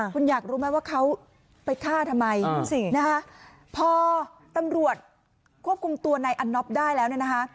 คุณอยากรู้ไหมว่าเขาไปฆ่าทำไมพอตำรวจควบคุมตัวนายอันนบได้แล้ว